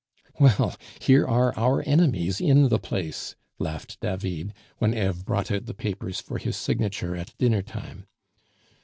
"Well, here are our enemies in the place!" laughed David, when Eve brought out the papers for his signature at dinner time.